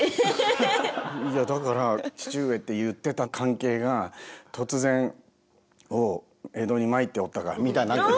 いやだから「父上」って言ってた関係が突然「おお江戸に参っておったか」みたいな。